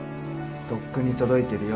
とっくに届いてるよ。